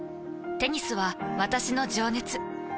テニスは私の情熱。